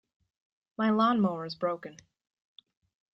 My lawn-mower is broken.